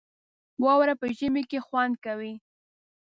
واوره په ژمي کې خوند کوي